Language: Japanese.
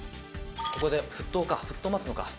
「ここで沸騰か沸騰待つのか」